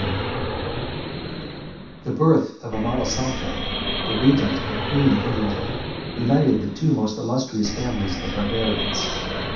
] The birth of Amalasontha, the regent and queen of Italy,52 united the two most illustrious families of the Barbarians.